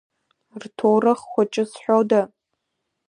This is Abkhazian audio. Рҭоурых хәыҷы зҳәода?